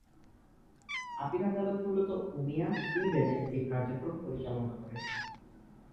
Appeal আদালত মূলত Umea, সুইডেনে এই কার্যক্রম পরিচালনা করে।